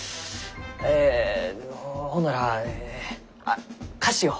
えほんならあっ菓子を。